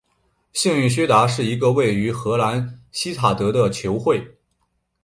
幸运薛达是一个位于荷兰锡塔德的球会。